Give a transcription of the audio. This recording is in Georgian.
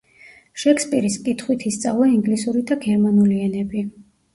შექსპირის კითხვით ისწავლა ინგლისური და გერმანული ენები.